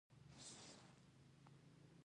دوی د پانګوالو له لوري استثمارېږي